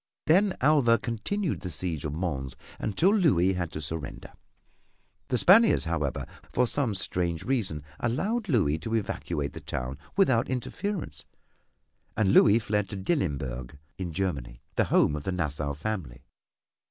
Then Alva continued the siege of Mons until Louis had to surrender. The Spaniards, however, for some strange reason allowed Louis to evacuate the town without interference and Louis fled to Dillenburg in Germany, the home of the Nassau family.